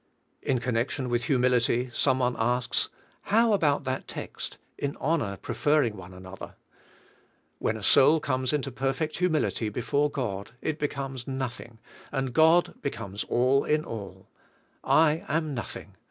In corinection with humility, some one asks, "How 142 JO V IN THE HOL V GHOST about that text, 'In honor preferring one another?'" When a soul comes into perfect humility before God it becomes nothing, and God becomes all in all. I am nothing.